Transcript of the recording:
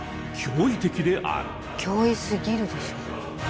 驚異すぎるでしょ。